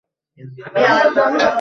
হয়েছে এখানে দাঁড়ান।